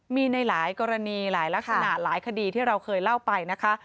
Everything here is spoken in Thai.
มีในหลายกรณีหลายลักษณะหลายคดีที่เราเคยเล่าไปนะคะ